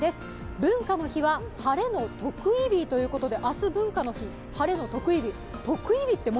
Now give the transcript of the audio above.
文化の日は晴れの特異日ということで、明日、文化の日、晴れの特異日。